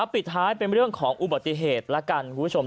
ปิดท้ายเป็นเรื่องของอุบัติเหตุแล้วกันคุณผู้ชม